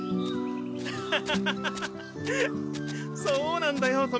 そうなんだよ